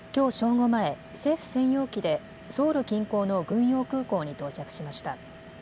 午前、政府専用機でソウル近郊の軍用空港に到着しました。